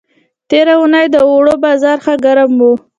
تېره اوونۍ د اوړو بازار ښه گرم و.